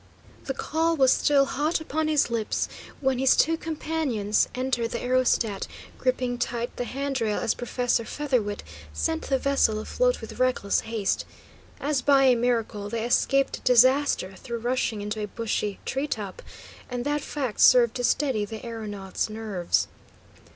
The call was still hot upon his lips when his two companions entered the aerostat, gripping tight the hand rail as Professor Featherwit sent the vessel afloat with reckless haste. As by a miracle they escaped disaster through rushing into a bushy treetop, and that fact served to steady the aeronaut's nerves.